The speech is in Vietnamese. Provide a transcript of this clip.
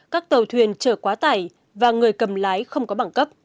các tàu thuyền chở quá tải và người cầm lái không có bảng cấp